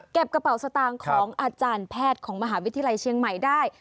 กระเป๋าสตางค์ของอาจารย์แพทย์ของมหาวิทยาลัยเชียงใหม่ได้